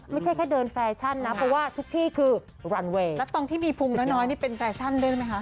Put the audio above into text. ไม่ใช่แค่เดินแฟชั่นนะเพราะว่าทุกที่คือรันเวย์แล้วตอนที่มีพุงน้อยนี่เป็นแฟชั่นด้วยไหมคะ